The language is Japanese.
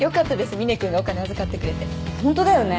みね君がお金預かってくれて本当だよね